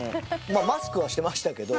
まあマスクはしてましたけど。